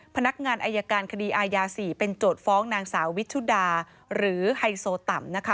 พนักงานอายการคดีอายา๔เป็นโจทย์ฟ้องนางสาววิชุดาหรือไฮโซต่ำนะคะ